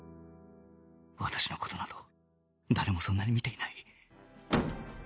私の事など誰もそんなに見ていない